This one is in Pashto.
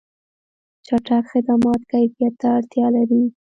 چټک خدمات کیفیت ته اړتیا لري.